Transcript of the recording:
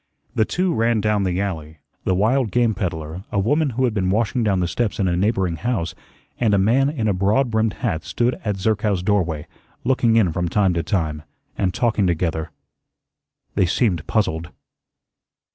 The two ran down the alley. The wild game peddler, a woman who had been washing down the steps in a neighboring house, and a man in a broad brimmed hat stood at Zerkow's doorway, looking in from time to time, and talking together. They seemed puzzled.